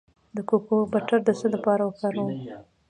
د کوکو بټر د څه لپاره وکاروم؟